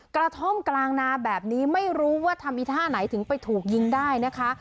กระท่อมกลางนาแบบนี้ไม่รู้ว่าทำอีท่าไหนถึงไปถูกยิงได้นะคะ